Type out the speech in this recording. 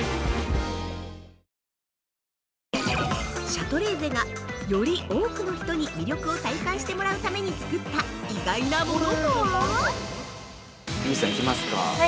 ◆シャトレーゼがより多くの人に魅力を体感してもらうために作った意外なものとは？